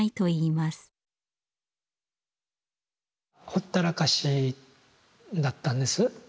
ほったらかしだったんです。